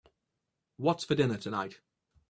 What's for dinner tonight?